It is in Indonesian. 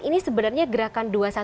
ini sebenarnya gerakan dua ratus dua belas